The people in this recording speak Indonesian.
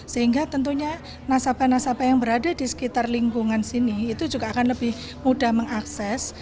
sehingga tentunya nasabah nasabah yang berada di sekitar lingkungan sini itu juga akan lebih mudah mengakses